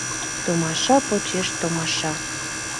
ТОМАША ПОЧЕШ ТОМАША